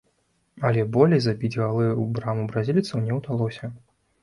Але болей забіць галы ў браму бразільцаў не удалося.